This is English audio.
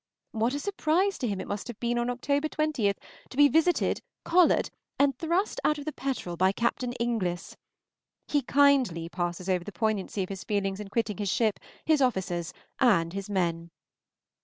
What a surprise to him it must have been on October 20, to be visited, collared, and thrust out of the "Petterel" by Captain Inglis. He kindly passes over the poignancy of his feelings in quitting his ship, his officers, and his men.